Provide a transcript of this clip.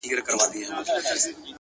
هوښیار انسان د فرصت ارزښت پېژني؛